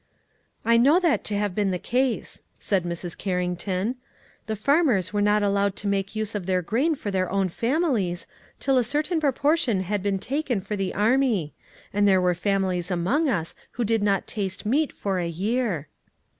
"I know that to have been the case," said Mrs. Carrington. "The farmers were not allowed to make use of their grain for their own families, till a certain proportion had been taken for the army; and there were families among us who did not taste meat for a year."